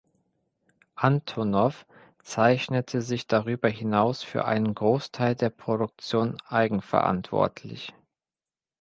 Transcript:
Antonoff zeichnete sich darüber hinaus für einen Großteil der Produktion eigenverantwortlich.